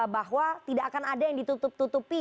bahwa tidak akan ada yang ditutup tutupi